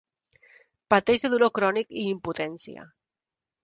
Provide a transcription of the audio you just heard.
Pateix de dolor crònic i impotència.